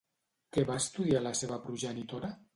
Què va estudiar la seva progenitora?